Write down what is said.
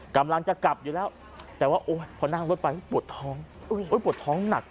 กำลังจะกลับอยู่แล้วแต่ว่าพอนั่งรถไปปวดท้องปวดท้องหนัก